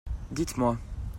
Dites-moi.